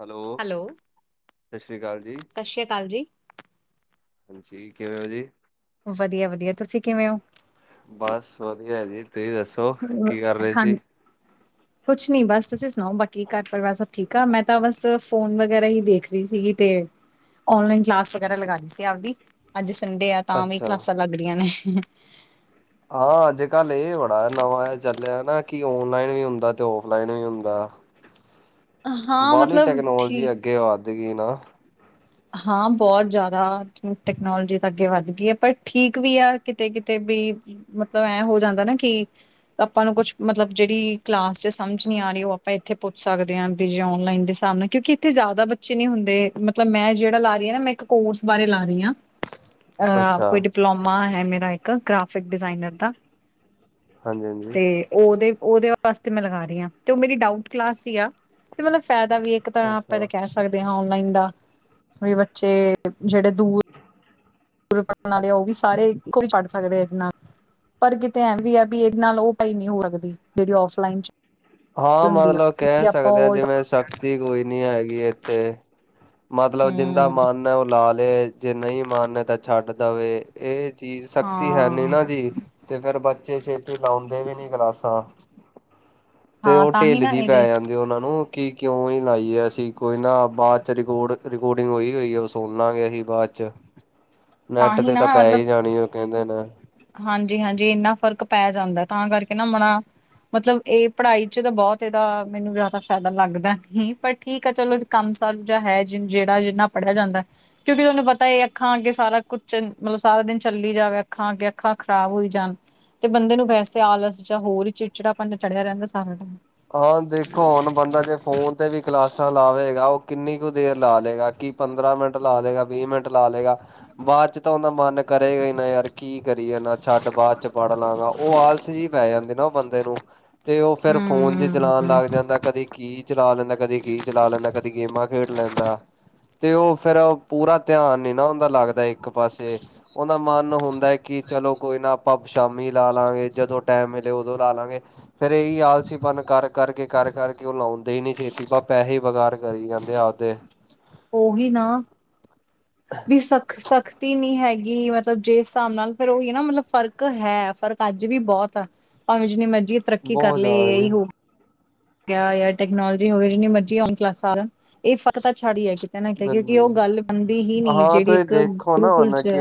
Hello, ਸਤਿ ਸ਼੍ਰੀ ਅਕਾਲ ਜੀ। ਸਤਿ ਸ਼੍ਰੀ ਅਕਾਲ ਜੀ। ਹਾਜੀ ਕਿਵੇਂ ਓ ਜੀ। ਵਧੀਆ -ਵਧੀਆ ਤੁਸੀਂ ਕਿਵੇਂ ਓ। ਬਸ ਵਧੀਆ ਜੀ, ਤੁਹੀਂ ਦੱਸੋ ਕੀ ਕਰ ਰੇ ਸੀ। ਕੁੱਛ ਨੀ ਬਸ ਤੁਸੀਂ ਸੁਣਾਓ, ਬਾਕੀ ਘਰ ਪਰਿਵਾਰ ਸਭ ਠੀਕ ਆ, ਮੈਂ ਤਾਂ ਬਸ ਫੋਨ ਵਗ਼ੈਰਾ ਹੀ ਦੇਖ ਰਹੀ ਸੀਗੀ ਤੇ ਔਨਲਾਈਨ ਕਲਾਸ ਵਗੈਰਾ ਲਗਾਨੀ ਸੀ ਆਪਦੀ, ਅੱਜ ਸੰਡੇ ਆ ਤਾਂ ਵੀ ਅੱਛਾ। ਕਲਾਸਾਂ ਲੱਗ ਦੀਆਂ ਨੇ। ਆਹ ਅੱਜ ਕੱਲ ਇਹ ਬੜਾ ਨਵਾਂ ਜਾਂ ਚੱਲਿਆ ਨਾ, ਕਿ ਔਨਲਾਈਨ ਵੀ ਹੁੰਦਾ ਤੇ ਔਫਲਾਈਨ ਵੀ ਹੁੰਦਾ। ਹਾਂ ਬਾਹਲੀ ਮਤਲਬ ਟੈਕਨੋਲੋਜੀ ਠੀਕ ਅੱਗੇ ਵੱਧ ਗੀ ਨਾ ਹਾਂ ਬਹੁਤ ਜ਼ਿਆਦਾ ਟੈਕਨੋਲੋਜੀ ਤਾਂ ਅੱਗੇ ਵੱਧ ਗੀ, ਪਰ ਠੀਕ ਵੀ ਆ ਕਿਤੇ- ਕਿਤੇ ਵੀ ਮਤਲਬ ਐਂ ਹੋ ਜਾਂਦਾ ਨਾ ਕਿ ਆਪਾਂ ਨੂੰ ਕੁੱਛ ਮਤਲਬ ਜਿਹੜੀ ਕਲਾਸ ਚ ਸਮਝ ਨੀ ਆ ਰੀ, ਉਹ ਆਪਾਂ ਇੱਥੇ ਪੁੱਛ ਸਕਦੇ ਆ ਵੀ ਜੇ ਔਨਲਾਈਨ ਦੇ ਸਾਹਮਣੇ ਕਿਉਂਕਿ ਇੱਥੇ ਜ਼ਿਆਦਾ ਬੱਚੇ ਨੀ ਹੁੰਦੇ ਮਤਲਬ ਮੈਂ ਜਿਹੜਾ ਲਾ ਰਈ ਆ ਨਾ, ਮੈਂ ਇੱਕ ਕੋਰਸ ਬਾਰੇ ਲਾ ਰਈ ਆ ਅਹ ਅੱਛਾ, ਕੋਈ ਡ ਡਿਪਲੋਮਾ ਹੈ ਮੇਰਾ ਇੱਕ ਗ੍ਰਾਫਿਕ ਡਿਜ਼ਾਇਨਰ ਦਾ, ਹਾਂਜੀ-ਹਾਂਜੀ। ਤੇ ਉਹਦੇ- ਉਹਦੇ ਵਾਸਤੇ ਮੈਂ ਲਗਾ ਰੀ ਆ, ਤੇ ਉਹ ਮੇਰੀ ਡਾਊਟ ਕਲਾਸ ਸੀ ਆ ਤੇ ਮਤਲਬ ਫਾਇਦਾ ਵੀ ਏ। ਇੱਕ ਤਰਾਂ ਆਪਾਂ ਤੇ ਅੱਛਾ। ਕਹਿ ਸਕਦੇ ਆ ਔਨਲਾਈਨ ਦਾ, ਵੀ ਬੱਚੇ ਜਿਹੜੇ ਦੂਰ ਦੂਰ ਪੜਨ ਵਾਲੇ ਉਹ ਵੀ ਸਾਰੇ ਇੱਕੋ ਵੀ ਪੜ ਸਕਦੇ ਆ ਜਿੰਨਾਂ ਪਰ ਕਿਤੇ ਐਂ ਵੀ ਆ ਵੀ ਇਹਦੇ ਨਾਲ ਉਹ ਪੜਾਈ ਨਹੀਂ ਹੋ ਸਕਦੀ ਜਿਹੜੀ ਔਫਲਾਈਨ ਚ ਹਾਂ ਹੁੰਦੀ ਆ ਮਤਲਬ ਕਿਉਂਕਿ ਕਹਿ ਆਪਾਂ ਸਕਦੇ ਆ ਉਹ ਜਿਵੇਂ ਸ਼ਖਤੀ ਕੋਈ ਨੀ ਹੈਗੀ ਏਥੇ। ਮਤਲਬ ਜਿੱਦਾਂ ਹੂੰ ਮਨ ਏ, ਉਹ ਲਾ ਲੇ ਜੇ ਨਹੀਂ ਮਨ ਹੈ ਤਾਂ ਛੱਡ ਦੇਵੇ ਇਹ ਚੀਜ ਸਖਤੀ ਹੈਨੀ ਹਾਂ ਨਾ ਜੀ, ਤੇ ਫਿਰ ਬੱਚੇ ਛੇਤੀ ਲਾਉਂਦੇ ਵੀ ਨੀ ਕਲਾਸਾਂ। ਤੇ ਹਾਂ ਉਹ ਤਾਂ ਹੀ ਢਿੱਲ ਨਾ ਜੀ ਇਹਦੇ ਪੈ ਜਾਂਦੀ ਉਹਨਾ ਨੂੰ ਕਿ ਕਿਉਂ ਹੀ ਲਾਈਏ, ਅਸੀਂ ਕੋਈ ਨਾ ਬਾਅ ਰਿਕੋਰਡ- ਰਿਕੋਰਡਿੰਗ ਹੋ ਈ ਗਈ ਆ ਉਹ ਸੁਣਨਾ ਲਾ ਗੇ ਅਹੀ ਬਾਅਦ ਚ। ਨੈਟ ਤੇ ਤਾਂ ਪੈ ਈ ਜਾਣੀ ਆ ਉਹ ਕਹਿੰਦੇ ਨੇ। ਹਾਂਜੀ- ਹਾਂਜੀ ਏਨਾ ਫ਼ਰਕ ਪੈ ਜਾਂਦਾ, ਤਾਂ ਕਰਕੇ ਨਾ ਮਨਾਂ ਮਤਲਬ ਇਹ ਪੜ੍ਹਾਈ ਚ ਤਾਂ ਬਹੁਤ ਇਹਦਾ ਮੈਨੂੰ ਜ਼ਿਆਦਾ ਫਾਇਦਾ ਲੱਗਦਾ ਨੀ ਪਰ ਠੀਕ ਆ ਚਲੋ ਕੰਮ ਸਾਰੂ ਜਾ ਹੈ ਜ ਜਿਹੜਾ ਜਿੰਨਾ ਪੜ੍ਹਿਆ ਜਾਂਦਾ, ਕਿਉਂਕਿ ਤੁਹਾਨੂੰ ਪਤਾ ਇਹ ਅੱਖਾਂ ਅੱਗੇ ਸਾਰਾ ਕੁੱਛ ਮਤਲਬ ਸਾਰਾ ਦਿਨ ਚੱਲੀ ਜਾਵੇ, ਅੱਖਾਂ ਅੱਗੇ ਅੱਖਾਂ ਖ਼ਰਾਬ ਹੋਈ ਜਾਣ। ਤੇ ਬੰਦੇ ਨੂੰ ਵੈਸੇ ਆਲਸ ਜਾਂ ਹੋਰ ਈ ਚਿੜਚੜਾ ਪਣ ਚੜਿਆ ਰਹਿੰਦਾ ਸਾਰਾ ਟੈਮ। ਹਾਂ ਦੇਖੋ ਹੁਣ ਬੰਦਾ ਜੇ ਫੋਨ ਤੇ ਵੀ ਕਲਾਸਾਂ ਲਾਵੇਗਾ ਉਹ ਕਿੰਨੀ ਕੁ ਦੇਰ ਲਾ ਲੇਏਗਾ ਕੀ ਪੰਦਰਾਂ ਮਿੰਟ ਲਾ ਲੇਏਗਾ ਵੀਹ ਮਿੰਟ ਲਾ ਲੇਏਗਾ। ਬਾਅਦ ਚ ਤਾਂ ਉਹਦਾ ਮਨ ਕਰੇਗਾ ਹੀ ਨਾ ਯਾਰ ਕੀ ਕਰੀਏ ਨਾ ਛੱਡ ਬਾਅਦ ਚ ਪੜ ਲਾਂਗਾ ਉਹ ਆਲ -ਸ ਜੀ ਪੈ ਜਾਂਦੀ ਨਾ ਉਹ ਬੰਦੇ ਨੂੰ, ਤੇ ਉਹ ਫੇਰ ਫੋਨ 'ਚ ਈ ਚਲਾਣ ਹੂੰ ਲੱਗ ਜਾਂਦਾ, ਕਦੇ ਕੀ ਚਲਾ ਲੈਂਦਾ ਕਦੇ ਕੀ ਚਲਾ ਲੈਂਦਾ ਕਦੇ ਗੇਮਾਂ ਖੇਡ ਲੈਂਦਾ, ਤੇ ਉਹ ਫਿਰ ਪੂਰਾ ਧਿਆਨ ਨੀ ਨਾ ਹੁੰਦਾ ਲੱਗਦਾ ਇੱਕ ਪਾਸੇ। ਉਹਦਾ ਮਨ ਹੁੰਦਾ ਹੈ ਕਿ ਚਲੋ ਕੋਈ ਨਾ ਆਪਾਂ ਸ਼ਾਮੀ ਲਾ ਲਾਂਗੇ ਜਦੋਂ ਟਾਈਮ ਮਿਲੇ ਉਦੋਂ ਲਾ ਲਾਂਗੇ। ਫਿਰ ਇਹੀ ਆਲ -ਸ ਪਨ ਕਰ ਕਰਕੇ -ਕਰ ਕਰਕੇ ਉਹ ਲਾਉਂਦੇ ਈ ਨੀ ਛੇਤੀ, ਬਹ ਪੈਹੇ ਹੀ ਵਗਾਰ ਕਰੀ ਜਾਂਦੇ ਆਪਦੇ। ਉਹੀ ਨਾ, ਵੀ ਸਖ ਸਖਤੀ ਨੀ ਹੈਗੀ ਮਤ ਜਿਸ ਹਿਸਾਬ ਨਾਲ ਫਿਰ ਉਹੀ ਨਾ ਮਤਲਬ ਫਰਕ ਹੈ ਫਰਕ ਅੱਜ ਵੀ ਬਹੁਤ ਆ ਭਾਵੇਂ ਜਿੰਨੀ ਮਰਜ਼ੀ ਤ ਤਰੱਕੀ ਕਰ ਬਹੁਤ ਲੇ ਜ਼ਿਆਦਾ ਜੀ ਇਹੀ ਹੋ। ਕਿਆ ਯਾਰ ਟੈਕਨਾਲੋਜੀ ਹੋਵੇ ਜਿੰਨੀ ਮਰਜ਼ੀ ਔਨਲਾਈਨ ਕਲਾਸਾਂ ਸੜ ਇਹ ਫਰਕ ਤਾਂ ਛੱੜ ਹੀ ਹੈ। ਕਹਿਣਾ ਕਿਹਾ ਕਿਉਂਕਿ ਬਿਲਕੁਲ ਉਹ ਜੀ ਗੱਲ ਬਣਦੀ ਹੀ ਨੀ ਹਾਂ ਜਿਹੜੀ ਤੁਸੀਂ ਇੱਕ ਦੇਖੋ ਨਾ ਗੁਰੂਕੁਲ ਹੁਣ 'ਚ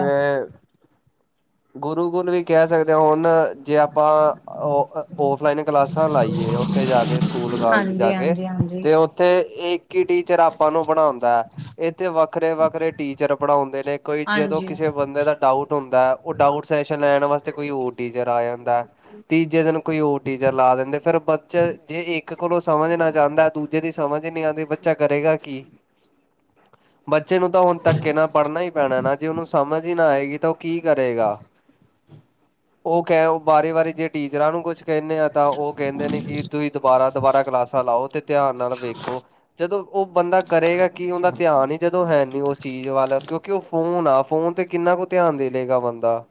ਗੁਰੂ ਕੁਲ ਵੀ ਕਹਿ ਸਕਦੇ ਹਾਂ ਹੁਣ ਜੇ ਆ ਆਪਾਂ ਔਫਲਾਈਨ ਕਲਾਸਾਂ ਲਾਈਏ ਉੱਥੇ ਜਾ ਕੇ ਸਕੂਲ ਕਾਲਜ ਜਾ ਹਾਂਜੀ ਕੇ ਹਾਂਜੀ ਹਾਂਜੀ ਤੇ ਉਹ ਇੱਥੇ ਇੱਕ ਹੀ ਟੀਚਰ ਆਪਾਂ ਨੂੰ ਪੜਾਉਦਾ ਹੈ ਇੱਥੇ ਵੱਖਰੇ- ਵੱਖਰੇ ਟੀਚਰ ਪੜ੍ਹਾਉਂਦੇ ਨੇ। ਦੇਖੋ ਜੀ, ਜਦੋਂ ਹਾਂਜੀ ਕਿਸੇ ਬੰਦੇ ਦਾ ਡਾਊਟ ਹੁੰਦਾ। ਉਹ ਡਾਊਟ ਸੈਸ਼ਨ ਲੈਣ ਵਾਸਤੇ ਕੋਈ ਹੋਰ ਟੀਚਰ ਆ ਜਾਂਦਾ। ਤੀਜੇ ਦਿਨ ਕੋਈ ਹੋਰ ਟੀਚਰ ਲਾ ਦਿੰਦੇ ਫਿਰ ਬੱਚੇ ਜੇ ਇੱਕ ਕੋਲੋਂ ਸਮਝ ਨਾ ਚਾਂਦਾ ਦੁ। ਜੀਦੀ ਸਮਝ ਨਹੀਂ ਆਂਦੀ ਬੱਚਾ ਕਰੇਗਾ ਕੀ। [inaudible] ਬੱਚੇ ਨੂੰ ਤਾਂ ਹੁਣ ਧੱਕੇ ਨਾਲ ਪੜ੍ਹਨਾ ਹੀ ਪੈਣਾ ਨਾ ਜੇ ਉਹਨੂੰ ਸਮਝ ਹੀ ਨਾ ਆਏਗੀ ਤਾਂ ਉਹ ਕੀ। ਕਰੇਗਾ, ਉਹ ਕਹਿ ਵਾਰੀ ਵਾਰੀ ਜੇ ਟੀਚਰਾਂ ਨੂੰ ਕੁਛ। ਕਹਿਨੇ ਆ ਤਾਂ ਉਹ ਕਹਿੰਦੇ ਨੇ ਕਿ ਤੁਸੀਂ ਦੁਬਾਰਾ ਦੁਬਾਰਾ ਕਲਾਸਾਂ ਲਾਉ ਤੇ ਧਿਆਨ ਨਾਲ ਵੇਖੋ। ਜਦੋਂ ਉਹ ਬੰਦਾ ਕਰੇਗਾ ਕੀ ਉਹਦਾ ਧਿਆਨ ਹੀ ਜਦੋਂ ਹੈ ਨੀ ਉਸ ਚੀਜ਼ ਵੱਲ ਕਿਉਂ। ਕਿਉਂ ਉਹ ਫੋਨ ਆ ਫੋਨ ਤੇ ਕਿੰਨਾ ਕੁ ਧਿਆਨ ਦੇਲੇਗਾ ਬੰਦਾ।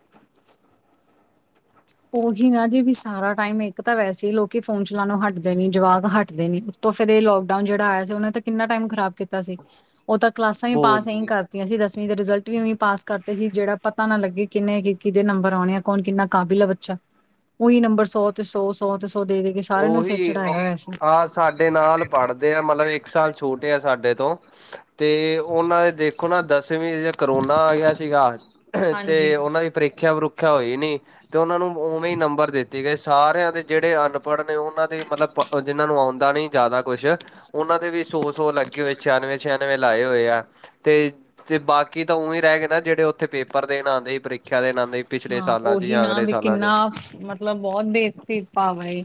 ਉਹੀ ਨਾ ਜੀ ਵੀ ਸਾਰਾ ਟਾਈਮ ਇੱਕ ਤਾਂ ਵੈਸੇ ਲੋਕੀ ਫੋਨ ਚਲਾਉਣੋ ਹਟਦੇ ਨੀ ਜਵਾਕ ਹੱਟਦੇ ਨੀ। ਤੋਸ ਦੇ ਲੋਕਡਾਊਨ ਜਿਹੜਾ ਆਇਆ ਸੀ ਉਹਨੇ ਤਾਂ ਕਿੰਨਾ ਟਾਈਮ ਖਰਾਬ ਕੀਤਾ ਸੀ ਉਹ ਤਾਂ ਕਲਾਸਾਂ ਹੀ ਬੋਲ ਪਾਸ ਐਈ ਜੀ। ਕਰ। ਕਹਿੰਦੇ ਦਸਵੀਂ ਦੇ ਰਿਜ਼ਲਟ ਵੀ ਇਵੇਂ ਪਾਸ ਕਰਤੇ ਹੀ ਜਿਹੜਾ ਪਤਾ ਨਾ ਲੱਗੇ ਕਿੰਨੇ ਕਿਹਦੇ ਨੰਬਰ ਆਉਣੇ ਆ ਕੌਣ ਕਿੰਨਾ ਕਾਬਿਲ ਬ। ਅੱਛਾ, ਉਹੀ ਨੰਬਰ ਸੌ ਤੇ ਸੌ -ਸੌ ਤੇ ਸੌ ਦੇ -ਦੇ। ਕੇ ਸਾਰਿਆਂ ਨੂੰ ਸਿਰ ਉਹੀ ਚੜਾਇਆ ਔਹ ਹੋਇਆ ਸੀ ਆ ਸਾਡੇ ਨਾਲ ਪੜ੍ਹਦੇ ਆ ਮਤਲਬ ਇੱਕ ਸਾਲ ਛੋਟੇ ਆ ਸਾਡੇ ਤੋਂ। ਤੇ ਉਹਨਾਂ ਦੇ ਦੇਖੋ ਨਾ ਦਸਵੀਂ ਚ ਕਰੋਨਾ ਆ ਗਿਆ ਸੀਗਾ। ਹਾਂਜੀ ਤੇ ਉਹਨਾਂ ਦੀ ਪ੍ਰੀਖਿਆ ਪਰੁ। ਪ੍ਰੀਖਿਆ ਹੋਈ ਨੀ ਤੇ ਉਹਨਾਂ ਨੂੰ ਉਵੇਂ ਨੰਬਰ ਦਿੱਤੇ ਗਏ ਸਾਰਿਆਂ ਦੇ ਜਿਹੜੇ ਅਨ। ਪੜ੍ਹਨੇ ਉਹਨਾਂ ਦੇ ਮਤਲਬ ਪ ਜਿਹਨਾਂ ਨੂੰ ਆਉਂਦਾ ਨੀ ਜ਼ਿਆਦਾ ਕੁਛ। ਉਹਨਾਂ ਦੇ ਵੀ ਸੌ- ਸੌ ਲੱਗੇ ਹੋਏ ਛਿਆਨਵੇਂ -ਛਿਆਨਵੇਂ ਲਾਏ ਹੋਏ ਆ ਤੇ। ਤੇ ਬਾਕੀ ਤਾਂ ਉਂਵੇ ਹੀ ਰਹਿ ਗਏ ਨਾ ਜਿਹੜੇ ਉੱਥੇ ਪੇਪਰ ਦੇਣ ਆਂਦੇ ਹੀ ਪ੍ਰੀਖਿਆ ਦੇਣ ਨਾ। ਹਾਂ ਉਹੀ ਨਾ ਵੀ ਕਿੰਨਾ ਮਤਲਬ ਬਹੁਤ ਬੇਦ ਭੇਦ ਭਾਵ ਏ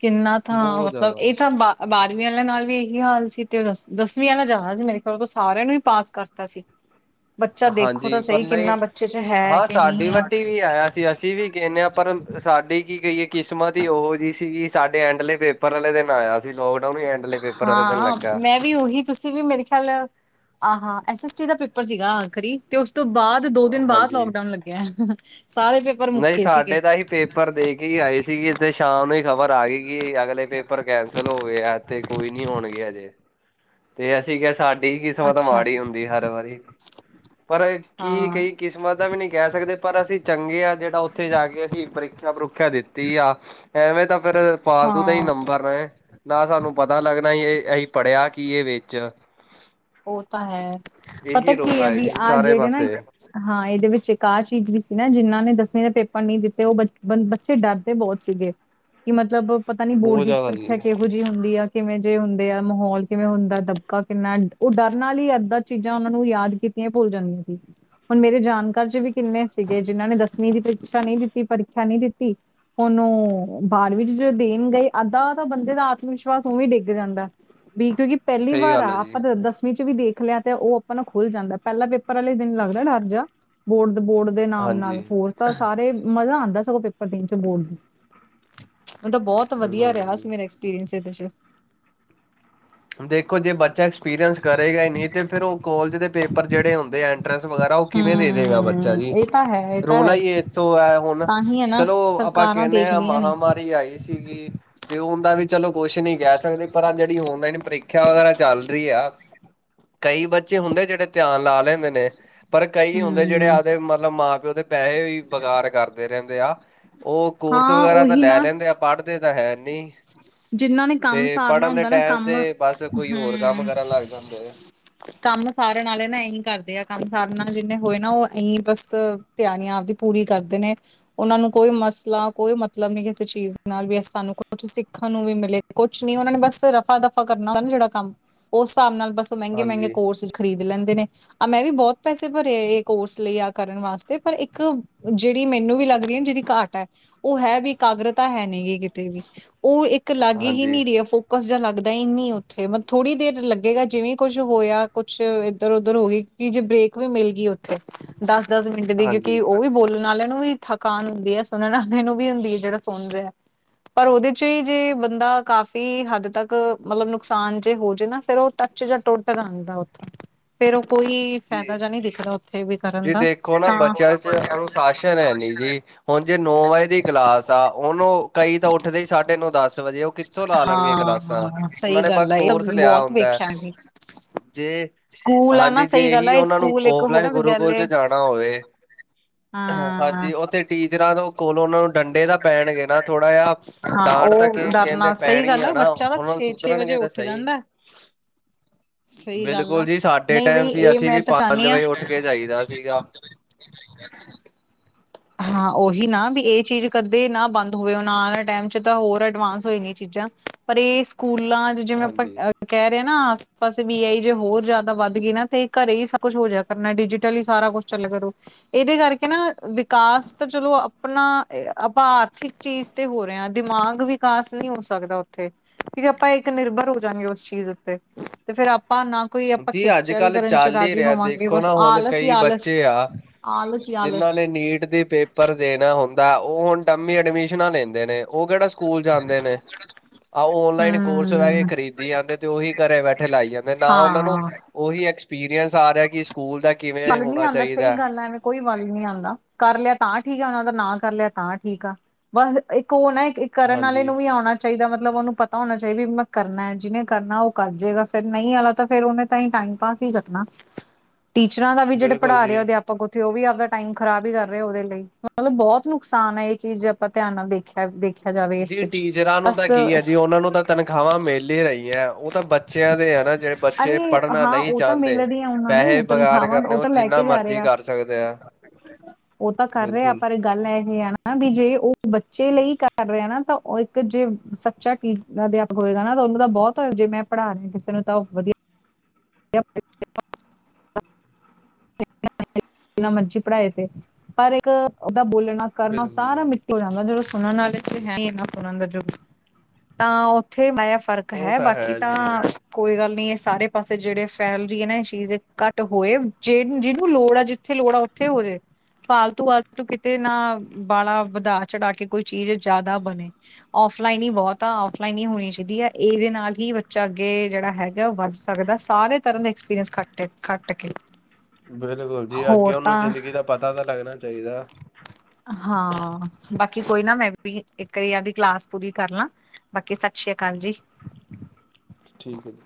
ਕਿੰਨਾ ਥਾ ਬਹੁਤ ਮਤਲਬ ਜ਼ਿਆਦਾ ਇਹ ਤਾਂ ਬਾ। ਬਾਰਵੀਂ ਆਲਿਆਂ ਨਾਲ ਵੀ ਇਹੀ ਹਾਲ ਸੀ ਤੇ ਬਸ ਦਸਵੀਂ ਵਾਲਾ ਜ਼ਿਆਦਾ ਸੀ ਮੇਰੇ। ਉਦੋਂ ਸਾਰਿਆ ਨੂੰ ਪਾਸ ਕਰਤਾ ਸੀ। ਬੱਚਾ ਦੇਖੋ ਤਾਂ ਹਾਂਜੀ ਪਰ ਸਹੀ ਕਿੰਨਾ ਬੱਚੇ ਹੈ ਕਿ ਨਈ ਐ। ਕੀ ਆਇਆ ਸੀ ਅਸੀਂ ਵੀ ਕਹਿੰਨੇ ਆ ਪਰ ਸਾਡੀ ਕੀ ਕਹੀਏ। ਕਿਸਮਤ ਹੀ ਉਹੋ ਜਿਹੀ ਸੀਗੀ ਸਾਡੇ ਐਂਡਲੇ ਪੇਪਰ ਵਾਲੇ ਦਿਨ ਆਇਆ ਸੀ ਲੋਕਡਾਊਨ ਹੀ ਐਂਡਲੇ ਪੇਪਰ ਵਾਲੇ ਦਿਨ ਲੱਗਾ। ਤੇ ਉਹੀ ਤੁਸੀਂ ਵੀ ਮੇਰੇ ਖਿਆਲ, ਆਹਾਂ, ਐੱਸ ਐੱਸ ਟੀ ਦਾ ਪੇਪਰ ਸੀਗਾ ਆਖਰੀ। ਉਸ ਤੋਂ ਬਾਅਦ ਦੋ ਦਿਨ ਬਾਅਦ ਹਾਂਜੀ ਲੋਕਡਾਊਨ ਲੱਗਿਆ ਸਾਰੇ ਤੇ। ਨਹੀਂ ਸਾਡੇ ਤਾਂ ਹੀ ਪੇਪਰ ਦੇ ਕੇ ਹੀ ਆਏ ਸੀਗੀ ਤੇ ਸ਼ਾਮ ਨੂੰ ਹੀ ਖ਼ਬਰ ਆ ਗਈ। ਕਿ ਅਗਲੇ ਪੇਪਰ ਕੈਂਸਲ ਹੋ ਗਏ ਆ ਤੇ ਕੋਈ ਨੀ ਹੋਣਗੇ ਹਜੇ। ਤੇ ਅਸੀਂ ਕਿਹਾ ਸਾਡੀ ਕਿਸਮਤ ਅੱਛਾ ਮਾੜੀ ਹੁੰਦੀ ਹਰ ਵਾਰੀ ਪਰ ਕੀ ਹਾਂ ਕਈ। ਕਿਸਮਤ ਦਾ ਵੀ ਨਹੀਂ ਕਹਿ ਸਕਦੇ ਪਰ ਅਸੀਂ ਚੰਗੇ ਹਾਂ ਜਿਹੜਾ ਉੱਥੇ ਜਾ ਕੇ ਅਸੀਂ ਪ੍ਰੀਖਿਆ ਪਰੂਖਿਆ ਦਿੱਤੀ ਆ। ਐਵੇਂ ਤਾਂ ਪਰ ਫਾਲਤੂ ਦਾ ਹੀ ਹਾਂ। ਨੰਬਰ ਨੇ ਨਾ ਸਾਨੂੰ ਪਤਾ ਲੱਗਣਾ ਹੀ ਇਹ ਅਹੀ ਪੜ੍ਹਿਆ ਕੀ ਵਿੱਚ। ਓ ਤਾਂ ਹੈ ਪਤਾ ਇਹੀ ਕੀ ਰੌਲਾ ਐ ਹੈ ਵੀ ਜੀ ਸਾਰੇ ਜਿਹੜੇ ਨਾ ਇੱਕ ਪਾਸੇ ਹਾਂ ਇਹਦੇ ਵਿੱਚ ਇੱਕ ਆਹ ਚੀਜ਼ ਵੀ ਸੀ ਨਾ, ਜਿਹਨਾਂ ਨੇ ਦਸਵੀਂ ਦੇ ਪੇਪਰ ਨਹੀਂ ਦਿੱਤੇ ਉਹ ਬੱਚੇ ਬੰਦੇ ਬ ਤੇ ਡਰਦੇ ਬਹੁਤ ਸੀਗੇ, ਕਿ ਮਤਲਬ ਪਤਾ ਨੀ ਬੋਰਡ ਬਹੁਤ ਦੀ ਜ਼ਿਆਦਾ ਜੀ ਪ੍ਰੀਖਿਆ ਕਿ ਬੁਝੀ ਹੁੰਦੀ ਆ, ਕਿਵੇਂ ਜਿਹੇ ਹੁੰਦੇ ਐ, ਮਾਹੌਲ ਕਿਵੇਂ ਹੁੰਦਾ, ਦਬਕਾ ਕਿੰਨਾ ਉਹ ਡਰ ਨਾਲ ਹੀ ਏਦਾਂ ਚੀਜ਼ਾਂ ਉਹਨਾਂ ਨੂੰ ਯਾਦ ਕੀਤੀਆਂ ਭੁੱਲ ਜਾਂਦੀਆਂ ਸੀ, ਹੁਣ ਮੇਰੇ ਜਾਣਕਾਰ ਚ ਵੀ ਕਿੰਨੇ ਸੀਗੇ ਜਿਨਾਂ ਨੇ ਦਸਵੀਂ ਦੀ ਪ੍ਰੀਖਿਆ ਨਹੀਂ ਦਿੱਤੀ, ਪ੍ਰੀਖਿਆ ਨਹੀਂ ਦਿੱਤੀ। ਉਹਨੂੰ ਬਾਰਵੀਂ 'ਚ' ਜਦੋਂ ਦੇਣ ਗਏ ਅੱਧਾ ਤਾਂ ਬੰਦੇ ਦਾ ਆਤਮ ਵਿਸ਼ਵਾਸ ਉਵੀ ਡਿੱਗ ਜਾਂਦਾ। ਵਿਕ ਗੀ ਪਹਿਲੀ ਸਹੀ ਵਾਰ ਗੱਲ ਆ। ਹੈ ਜੀ ਦਸਵੀ ਚ ਵੀ ਦੇਖ ਲਿਆ ਤੇ ਉਹ ਆਪ ਨੂੰ ਖੁੱਲ ਜਾਂਦਾ, ਪਹਿਲਾ ਪੇਪਰ ਵਾਲੇ ਦਿਨ ਲੱਗਦਾ ਡਰ ਜਿਹਾ। ਬੋਰਡ ਬੋਡ ਦੇ ਨਾਮ ਹਾਂਜੀ ਨਾਲ ਹੋਰ। ਤਾਂ ਸਾਰੇ ਮਜ਼ਾ ਆਂਦਾ ਸਗੋਂ ਪੇਪਰ ਦੇਣ ਚ ਬੋਰਡ ਦੇ, ਹੁਣ ਤਾਂ ਬਹੁਤ ਬਿਲਕੁਲ ਵਧੀਆ ਰਿਹਾ ਬਿਲਕੁਲ ਸੀ ਮੇਰਾ ਐਕਸਪੀਰੀਇੰਸ ਇਹਦੇ ਚ। ਦੇਖੋ ਜੇ ਬੱਚ ਸਸ ਐਕਸਪੀਰੀਅੰਸ ਕਰੇਗਾ ਹੀ ਨਹੀਂ, ਅਤੇ ਫਿਰ ਉਹ ਕੋਲਜ ਦੇ ਪੇਪਰ ਜਿਹੜੇ ਹੁੰਦੇ ਆ ਐਂਟਰੈਂਸ ਵਗੈਰਾ ਉਹ ਕਿਵੇਂ ਦੇ ਹਮ ਦੇਗਾ ਬੱਚਾ ਜੀ। ਇਹ ਤਾਂ ਹੈ ਇਹ ਤਾਂ ਰੌਲਾ ਹੈ ਹੀ ਇੱਥੋਂ ਆ, ਹੁਣ ਤਾਂ ਹੀ ਹੈ ਨਾ ਚਲੋ ਆਪਾਂ ਸਰਕਾਰਾਂ ਕਹਿੰਨੇ ਆ ਦੇਖਦੀਆਂ ਨੀ ਮਹਾਂਮਾਰੀ ਆਈ ਸੀਗੀ, ਤੇ ਉਹਦਾ ਵੀ ਚਲੋ ਕੁਛ ਨੀ ਕਹਿ ਸਕਦੇ ਪਰ ਜਿਹੜੀ ਓਨਲਾਈਨ ਪ੍ਰੀਖਿਆ ਵਗੈਰਾ ਚੱਲ ਰਹੀ ਆ, ਕਈ ਬੱਚੇ ਹੁੰਦੇ ਆ ਜਿਹੜੇ ਧਿਆਨ ਲਾ ਲੈਂਦੇ ਨੇ। ਪਰ ਕਈ ਹੁੰਦੇ ਆ ਜਿਹੜੇ ਹਮ ਆਦੇ ਮਤਲਬ ਕੇ ਮਾਂ ਪਿਓ ਦੇ ਪੈਸੇ ਵੀ ਬਕਾਰ ਕਰਦੇ ਰਹਿੰਦੇ ਆ। ਉਹ ਕੋਰਸ ਹਾਂ ਵਗੈਰਾ ਤਾਂ ਉਹੀ ਲੈ ਨਾ ਲੈਂਦੇ ਆ, ਪੜ੍ਹਦੇ ਤਾਂ ਹੈ ਨਹੀਂ। ਜਿੰਨਾਂ ਨੇ ਕੰਮ ਤੇ ਸਾਰਨਾ ਪੜ੍ਹਨ ਦੇ ਹੁੰਦਾ ਨਾ ਟਾਈਮ ਕੰਮ ਹੁ ਤੇ ਬਸ ਕੋਈ ਹੋਰ ਕੰਮ ਕਰਨ ਲੱਗ ਜਾਂਦੇ ਆ। ਕੰਮ ਸਾਰਨ ਆਲੇ ਨਾ ਇਹੀ ਕਰਦੇ ਆ, ਕੰਮ ਸਾਰਨ ਆਲੇ ਜਿੰਨੇ ਹੋਏ ਨਾ ਉਹ ਇਹੀਂ ਬਸ ਤਿਆਰੀ ਆਪਦੀ ਪੂਰੀ ਕਰਦੇ ਨੇ। ਉਹਨਾਂ ਨੂੰ ਕੋਈ ਮਸਲਾ ਕੋਈ ਮਤਲਬ ਨੀ ਕਿਸੇ ਚੀਜ਼ ਨਾਲ ਵੀ, ਸਾਨੂੰ ਕੁਛ ਸਿੱਖਣ ਨੂੰ ਵੀ ਮਿਲੇ ਕੁਛ ਨੀ, ਉਹਨਾਂ ਨੇ ਬਸ ਰਫਾ ਦਫ਼ਾ ਕਰਨਾ ਹੁੰਦਾ ਜਿਹੜਾ ਕੰਮ, ਉਸ ਹਿਸਾਬ ਨਾਲ ਬਸ ਮਹਿੰਗੇ -ਮਹਿੰਗੇ ਹਾਂਜੀ। ਕੋਰਸ ਖਰੀਦ ਲੈਂਦੇ ਨੇ। ਆ ਮੈਂ ਵੀ ਬਹੁਤ ਪੈਸੇ ਭਰੇ ਇਹ ਕੋਰਸ ਲਈ ਆਹ ਕਰਨ ਵਾਸਤੇ, ਪਰ ਇੱਕ ਜਿਹੜੀ ਮੈਨੂੰ ਵੀ ਲੱਗਦੀ ਆ ਜਿਹੜੀ ਘਾਟ ਹੈ, ਉਹ ਹੈ ਵੀ ਕਾਗਰਤਾ ਹੈ ਨਹੀਂ ਗੀ ਕਿਤੇ ਵੀ, ਉਹ ਇੱਕ ਲਾਗੇ ਹੀ ਹਾਂਜੀ, ਨਹੀਂ ਰਿਹੀ ਫੋ ਕੁਸ਼ ਜਾ ਲੱਗਦਾ ਨੀ ਉੱਥੇ, ਮਥ ਥੋੜ੍ਹੀ ਦੇਰ ਲੱਗੇਂਗਾ ਜਿਵੇਂ ਕੁਛ ਹੋਇਆ, ਕੁਸ਼ ਇੱਧਰ- ਉਧਰ ਹੋ ਗਏ। ਕਿ ਜੇ ਬ੍ਰੇਕ ਵੀ ਮਿਲ ਗਈ ਉਥੇ। ਦਸ- ਦਸ ਮਿੰਟ ਦੀ ਹਾਂਜੀ ਕਿਉਂਕਿ ਉਹ ਵੀ ਬੋਲਣ ਵਾਲਿਆਂ ਨੂੰ ਵੀ ਥਕਾਨ ਹੁੰਦੀ ਹੈ। ਸੁਣਨ ਵਾਲੇ ਨੂੰ ਵੀ ਹੁੰਦੀ ਹੈ। ਜਿਹੜਾ ਸੁਣ ਰਿਹਾ ਪਰ ਉਹਦੇ ਸ਼ ਜੇ ਬੰਦਾ ਕਾਫ਼ੀ ਹੱਦ ਤੱਕ ਮਤਲਬ ਨੁਕਸਾਨ ਜੇ ਹੋ ਜੇ ਨਾ ਫਿਰ ਉਹ ਟਚ ਸ਼ ਜਾਂ ਟੋਟ ਦਾ ਜਾਦਾ ਉੱਥੇ, ਫੇਰ ਉਹ ਕੋਈ ਫਾਇਦਾ ਜੀ। ਜਾ ਨਹੀਂ ਦਿਖਦਾ ਉੱਥੇ ਵੀ ਕਰਨ ਜੀ ਦਾ। ਦੇਖੋ ਨਾ ਬੱਚਿਆਂ ਚ ਅਨੁਸ਼ਾਸਨ ਹੈ ਨੀ ਜੀ। ਹੁਣ ਜੇ ਨੌ ਵਜੇ ਦੀ ਕਲਾਸ ਆ ਉਹਨੂੰ ਕਈ ਤਾਂ ਓ ਉਠ ਦਾ ਸਾਢੇ ਨੌ ਦਸ ਵਜੇ ਆ ਉਹ ਕਿੱਥੋਂ ਲਾ ਲੈਣਗੇ ਕਲਾਸਾਂ, ਹਾਂ ਉਹਨਾਂ ਸਹੀ ਨੇ ਪਰ ਗੱਲ ਆ ਇਹ ਤਾਂ ਕੋਰਸ ਲਿਆ ਬਹੁਤ ਹੁੰਦਾ। ਵੇਖਿਆ ਵੀ। ਜੇ ਸਕੂਲ ਆ ਨਾ ਹਾਂਜੀ ਸਹੀ ਜੇ ਗੱਲ ਆ ਹੀ ਇਹ ਉਹਨਾਂ ਨੂੰ ਸਕੂਲ ਇੱਕ ਹੋ ਓਫਲਾਈਨ ਨਾ ਗੁਰੂਕੁਲ ਚ ਵਿਦਿਆਲੇ ਜਾਣਾ ਹੋਵੇ ਹਾਂ ਹਾਂਜੀ ਉੱਤੇ ਟੀਚਰਾਂ ਤੋਂ ਕੋਲੋ ਨੂੰ ਡੰਡੇ ਤਾ ਪੈਣਗੇ ਨਾ, ਥੋੜਾ ਜਾਂ ਹਾਂ ਡਾਂਟ ਤਾਂ ਉਹ ਕੇ ਡਰ ਕਹਿੰਦੇ ਨਾਲ ਸਹੀ ਪੈਣੀਂ ਗੱਲ ਆ ਨਾ, ਬੱਚਾ ਦਾ ਉਹ ਨੂੰ ਛੇ ਛੇ ਵਜੇ ਸੁਧਰਨਗੇ ਤਾਂ ਉੱਠ ਸਹੀ ਜਾਂਦਾ, ਸਹੀ ਗੱਲ ਆ। ਡੇ ਨਹੀਂ ਟਾਈਮ ਬਈ ਸੀ ਇਹ ਅਸੀਂ ਵੀ ਮੈਂ ਤਾਂ ਪੰਜ ਚਾਹੁੰਦੀ ਹਾਂ ਵਜੇ ਉੱਠ ਕੇ ਜਾਈਦਾ ਸੀਗਾ। ਹਾਂ ਉਹੀ ਨਾ ਵੀ ਇਹ ਚੀਜ਼ ਕਰਦੇ ਨਾ ਬੰਦ ਹੋਵੇ, ਹੁਣ ਆਨ ਵਾਲੇ ਟਾਈਮ ਚ ਤਾਂ ਹੋਰ ਐਡਵਾਂਸ ਹੋਏ ਗੀਆ ਚੀਜ਼ਾਂ। ਪਰ ਇਹ ਸਕੂਲਾਂ ਜਿਵੇਂ ਆਪਾਂ ਹਾਂਜੀ ਕਹਿ ਰਹੇ ਨਾ ਆਸੇ ਪਾਸੇ ਵੀ ਆ ਜੇ ਹੋਰ ਜ਼ਿਆਦਾ ਵੱਧ ਗਈ ਨਾ ਤੇ ਘਰੇ ਹੀ ਸਭ ਕੁੱਛ ਹੋ ਜਾ ਕਰਨਾ ਡਿਜੀਟਲ ਹੀ ਸਾਰਾ ਕੁਛ ਚੱਲੇਗਾ ਕਰੋ। ਇਹਦੇ ਕਰਕੇ ਨਾ ਵੀ ਵਿਕਾਸ ਤਾਂ ਚਲੋ ਆਪਣਾ ਆਪਾਂ ਆਰਥਿਕ ਚੀਜ਼ ਤੇ ਹੋ ਰਹੇ ਹਾਂ। ਦਿਮਾਗ ਵੀ ਵਿਕਾਸ ਨੀ ਹੋ ਸਕਦਾ ਉੱਥੇ ਕਿਂੳਕੀ ਆਪਾਂ ਇੱਕ ਨਿਰਭਰ ਹੋ ਜਾਂਗੇ ਉਸ ਚੀਜ਼ ਉੱਤੇ ਤੇ ਫੇਰ ਆਪਾਂ ਨਾ ਕੋਈ ਆਪਾਂ ਜੀ ਅੱਜ ਖੇਚਲ ਕੱਲ੍ਹ ਕਰਨ ਚ ਚੱਲ ਹੀ ਰਾਜੀ ਰਿਹਾ ਹੋਵਾਂਗੇ ਦੇਖੋ ਬਸ ਨਾ ਹੁਣ ਆਲਸ ਈ ਕਈ ਆਲਸ ਬੱਚੇ ਆ ਆਲਸੀ ਈ ਜਿਨ੍ਹਾਂ ਆਲਸ। ਨੇ ਨੀਟ ਦੇ ਪੇਪਰ ਦੇਨਾ ਹੁੰਦੈ ਉ ਹੁਨ ਡੰਮੀ ਅਐਡਮੀਸਨਾ ਲੈਂਦੇ ਨੇ। ਉ ਕੇੜਾ ਸਕੂਲ ਜਾਂਦੇ ਨੇ, ਆਹੋ ਓਨਲਾਈਨ ਕੋਰਸ ਵਹਿ ਕੇ ਹਮ ਖਰੀਦੀ ਜਾਂਦੇ ਨੇ। ਤੇ ਉਹੀ ਘਰੇ ਬੈਠੇ ਲਾਈ ਜਾਂਦੇ ਨੇ ਨਾਂ ਉਨਾਂ ਨੂੰ ਹਾਂ ਉਹੀ ਐਕਸਪੀਰੀਅੰਸ ਆ ਰਿਹਾ ਕਿ ਸਕੂਲ ਦਾ ਕਿਵੇਂ ਮੱਲ ਨੀ ਹੋਣਾ ਆਂਦਾ ਸਹੀ ਚਾਹੀਦਾ ਗੱਲ ਐਵੇਂ ਕੋਈ ਵੱਲ ਨੀ ਆਂਦਾ ਕਰ ਲਿਆ ਤਾਂ ਠੀਕ ਆ, ਉਨਾਂ ਦਾ ਨਾਂ ਕਰ ਲਿਆ, ਤਾਂ ਠੀਕ ਆ ਬਸ ਇੱਕ ਉ ਨਾ ਇਹ ਕਰਨ ਵਾਲੇ ਹਾਂਜੀ ਨੂੰ ਵੀ ਆਉਣਾ। ਚਾਈਦਾ ਮਤਲਬ ਉਨੂੰ ਪਤਾ ਹੋਨਾ ਚਾਈਦਾ ਵੀ ਮੈਂ ਕਰਨੈ, ਜਿਨੇ ਕਰਨਾ ਉ ਕਰ ਜੇਗਾ ਫਿਰ ਨਹੀਂ ਆਲਾ ਫਿਰ ਉਨੇ ਤਾਈ ਟਾਇਮ ਪਾਸ ਈ ਰਖਨਾ, ਟੀਚਰਾਂ ਦਾ ਵੀ ਜੇੜੇ ਬਿਲਕੁਲ ਪੜਾ ਰਏ ਆ ਜੀ ਅਧਿਪ ਅੱਗੋ ਕ ਤੋ ੳ ਵੀ ਆਪਦਾ ਟਾਈਮ ਖਰਾਬ ਈ ਕਰ ਰਏ ਉਦੇ ਲਈ, ਮਤਲਬ ਬੋਤ ਨੁਕਸਾਨ ਏ ਐ ਚੀਜ਼ ਆਪਾਂ ਧਿਆਨ ਨਾਲ ਦੇਖੀਏ। ਦੇਖਿਆ ਜਾਵੇ ਇਸ ਜੀ ਵਿੱਚ ਟੀਚਰਾਂ ਨੂੰ ਤਾਂ ਬਸ ਕੀ ਹੈ ਜੀ ਉਹਨਾਂ ਨੂੰ ਤਾਂ ਤਨਖਾਹਾਂ ਮਿਲ ਹੀ ਰਹੀਆਂ ਉਹ ਤਾਂ ਬੱਚਿਆਂ ਦੇ ਹੈ ਨਾ ਜਿਹੜੇ ਬੱਚੇ ਅਰੇ ਪੜ੍ਹਨਾ ਹਾਂ ਨਹੀਂ ਉ ਤਾਂ ਮਿਲ ਚਾਹੁੰਦੇ ਰੀ ਆ ਉਨਾਂ ਪੈਸੇ ਨੂੰ ਤਨ ਬਗਾਰ ਖਾਵੰਦ ਕਰਨੇ ਉ ਉਹ ਤਾਂ ਲੈ ਜਿੰਨਾ ਕੇ ਜਾ ਰੇ ਮਰਜ਼ੀ ਆ, ਕਰ ਸਕਦੇ ਆ ਉ ਤਾਂ ਕਰ ਰਏ ਆ ਬਿਲਕੁਲ ਪਰ ਗੱਲ ਐ ਆ ਨਾ ਵੀ ਜੇ ਉ ਬੱਚੇ ਲਈ ਕਰ ਰੇ ਨਾ ਤਾਂ ਉ ਇੱਕ ਜੇ ਸੱਚਾ ਕੀ ਅਧਿਆਪਕ ਹੋਏਗਾ ਨਾ ਤਾਂ ਉਨੂੰ ਤਾਂ ਬਹੁਤ ਜੇ ਮੈਂ ਪੜ੍ਹਾ ਰਿਹਾ। ਕਿਸੇ ਨੂੰ ਤਾਂ ਉ ਵਧੀਆ ਜਨਾ ਮਰਜੀ ਪੜ੍ਹਾਏ ਤੇ ਪਰ ਇੱਕ ਉਦਾ ਬੋਲਣਾ ਕਰਨਾ ਬਿਲਕੁਲ ਸਾਰਾ ਜੀ ਮਿੱ ਦਾ ਜਦੋਂ ਸੁਣਨ ਆਲੇ ਤੇ ਹੈ ਹੀ ਨਾ ਸੁਣਨ ਦਾ ਜੋਸ਼ ਤਾਂ ਉੱਥੇ ਮੈਂ ਫ਼ਰਕ ਹੈ ਬਾਕੀ ਤਾਂ ਕੋਈ ਗੱਲ ਨੀ ਏ ਸਾਰੇ ਪਾਸੇ ਜੇੜੇ ਫੈਲ ਰੀ ਏ ਨਾ ਐ ਚੀਜ਼ ਘੱਟ ਹੋਏ ਜੇ ਜਿਨੂੰ ਲੋੜ ਆ ਜਿੱਥੇ ਲੋੜ ਆ ਉੱਥੇ ਹੋਏ। ਫਾਲਤੂ ਆਲਤੂ ਕਿਤੇ ਨਾ ਵਾਲਾ ਵਧਾ ਚੜਾ ਕੇ ਕੋਈ ਚੀਜ਼ ਜਾਦਾ ਬਨੇ। ਔਫਲਾਈਨ ਈ ਬੋਤ ਆ ਔਫਲਾਈਨ ਈ ਹੋਨੀ ਚਾਈਦੀ ਆ ਇਦੇ ਨਾਲ ਈ ਬੱਚਾ ਅੱਗੇ ਜੇੜਾ ਹੈਗਾ ਵੱਧ ਸਕਦਾ। ਸਾਰੇ ਤਰ੍ਹਾਂ ਦੇ ਐਕਸਪੀਰੀੰਸ ਕਟ ਏ ਖੱਟ ਕੇ। ਬਿਲਕੁਲ ਜੀ ਅੱਗੇ ਹੋਰ ਉਨੂੰ ਤਾਂ ਜ਼ਿੰਦਗੀ ਦਾ ਪਤਾ ਤਾਂ ਲੱਗਨਾ ਚਾਈਦਾ। ਹਾਂ ਬਾਕੀ ਕੋਈ ਨਾ ਮੈਂ ਵੀ ਇੱਕ ਆਰੀ ਆਬਦੀ ਕਲਾਸ ਪੂਰੀ ਕਰ ਲਾਂ। ਬਾਕੀ ਸਸ ਸ੍ਰੀ ਕਾਲ ਜੀ। ਠੀਕ ਏ ਜੀ।